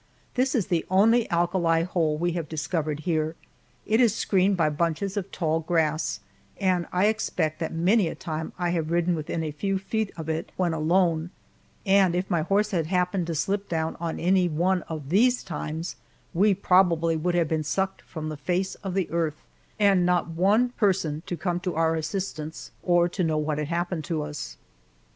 This is the only alkali hole we have discovered here. It is screened by bunches of tall grass, and I expect that many a time I have ridden within a few feet of it when alone, and if my horse had happened to slip down on any one of these times, we probably would have been sucked from the face of the earth, and not one person to come to our assistance or to know what had happened to us.